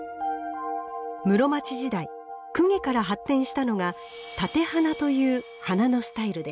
室町時代供華から発展したのが「立て花」という花のスタイルです。